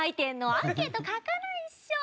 「アンケート書かないっしょ！」